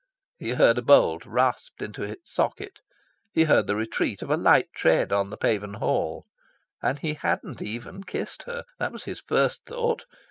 He heard a bolt rasped into its socket. He heard the retreat of a light tread on the paven hall. And he hadn't even kissed her! That was his first thought.